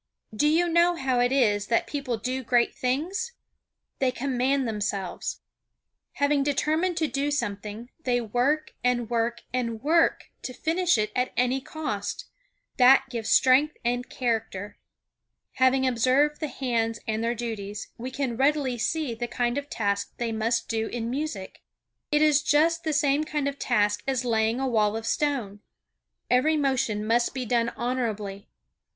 Do you know how it is that people do great things? They command themselves. Having determined to do something, they work and work and work to finish it at any cost. That gives strength and character. Having observed the hands and their duties, we can readily see the kind of task they must do in music. It is just the same kind of task as laying a wall of stone. Every motion must be done honorably.